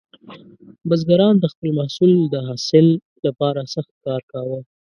بزګران د خپل محصول د حاصل لپاره سخت کار کاوه.